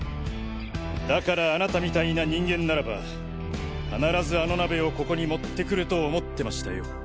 だからあなたみたいな人間ならば必ずあの鍋をここに持ってくると思ってましたよ。